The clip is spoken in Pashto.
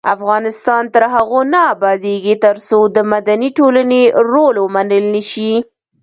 افغانستان تر هغو نه ابادیږي، ترڅو د مدني ټولنې رول ومنل نشي.